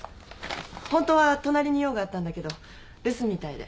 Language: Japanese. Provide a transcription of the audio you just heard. ホントは隣に用があったんだけど留守みたいで。